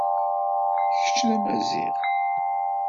Kečč d amaziɣ